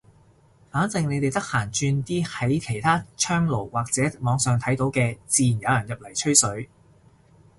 反正你哋得閒轉啲喺其他窗爐或者網上睇到嘅，自然有人入嚟吹水。